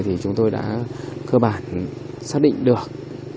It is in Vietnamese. thì chúng tôi đã cơ bản xác định được